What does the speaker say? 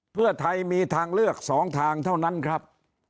เพื่อไทยมีทางเลือก๒ทางเท่านั้นครับ